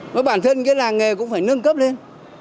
và bản thân cái làng nghề cũng phải nâng cấp lên